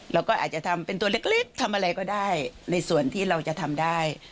เราก็อาจจะทำเป็นตัวเล็กทำอะไรก็ได้ในส่วนที่เราจะทำได้